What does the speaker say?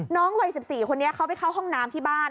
วัย๑๔คนนี้เขาไปเข้าห้องน้ำที่บ้าน